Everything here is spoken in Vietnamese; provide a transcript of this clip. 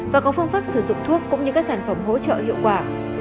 và có phương pháp sử dụng thuốc cũng như các sản phẩm hỗ trợ hiệu quả